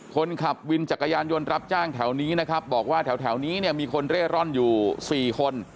คนขับวินจักรยานยนต์รับจ้างแถวนี้นะครับบอกว่าแถวนี้เนี่ยมีคนเร่ร่อนอยู่๔คน